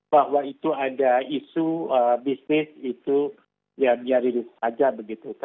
bahwa itu ada isu bisnis itu ya biarin saja begitu